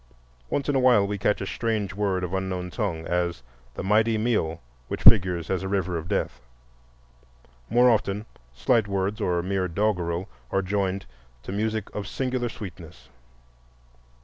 Once in a while we catch a strange word of an unknown tongue, as the "Mighty Myo," which figures as a river of death; more often slight words or mere doggerel are joined to music of singular sweetness.